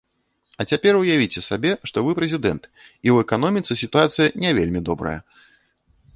А цяпер уявіце сабе, што вы прэзідэнт і ў эканоміцы сітуацыя не вельмі добрая.